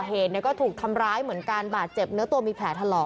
เหตุก็ถูกทำร้ายเหมือนกันบาดเจ็บเนื้อตัวมีแผลถลอก